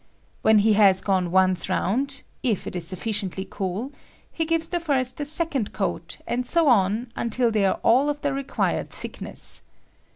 When he has gone once round, if it is sufficiently cool, he gives the first a second coat, and ao on until they are ail of the required thickness.